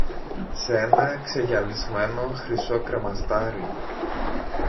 σ' ένα ξεγυαλισμένο χρυσό κρεμαστάρι